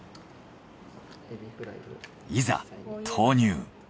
いざ投入。